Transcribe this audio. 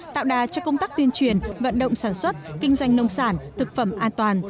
tuyên truyền vận động sản xuất kinh doanh nông sản thực phẩm an toàn